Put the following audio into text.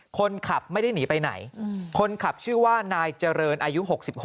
คนขับไม่ได้หนีไปไหนคนขับชื่อว่านายเจริญอายุ๖๖